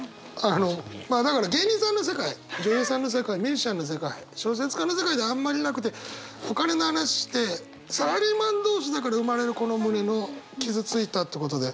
あのまあだから芸人さんの世界女優さんの世界ミュージシャンの世界小説家の世界であんまりなくてお金の話してサラリーマン同士だから生まれるこの胸の傷ついたってことで。